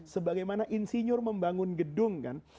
sebagaimana insinyur membangun gedung kan